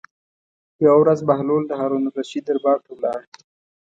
یوه ورځ بهلول د هارون الرشید دربار ته ولاړ.